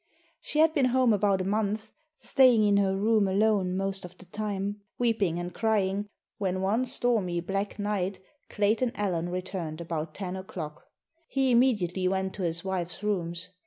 She had been home about a month, staying in her room alone most of the time, weeping and crying, when one stormy, black night Clayton Allen returned about 10 o'clock. He immediately went to his wife's rooms.